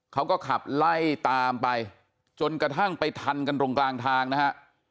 เขาก็ขับไล่ตามไปจนกระทั่งไปทันกันตรงกลางทางนะฮะ